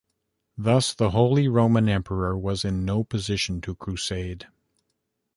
Thus, the Holy Roman Emperor was in no position to crusade.